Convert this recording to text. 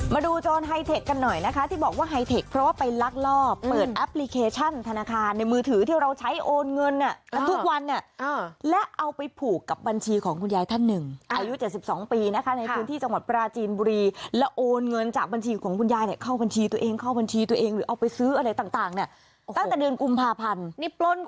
มาดูโจรไฮเทคกันหน่อยนะคะที่บอกว่าไฮเทคเพราะว่าไปลักลอบเปิดแอปพลิเคชันธนาคารในมือถือที่เราใช้โอนเงินอ่ะทุกวันเนี้ยอ่ะและเอาไปผูกกับบัญชีของคุณยายท่านหนึ่งอายุเจ็ดสิบสองปีนะคะในคืนที่จังหวัดปราจีนบุรีและโอนเงินจากบัญชีของคุณยายเนี้ยเข้าบัญชีตัวเองเข้าบัญชีตัวเองหร